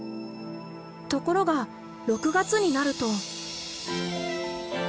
ところが６月になると。